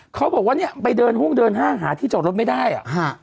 เขาบอกว่าเนี่ยไปเดินห้องเดินห้างหาที่จอดรถไม่ได้อ่ะฮะ